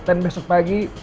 dan besok pagi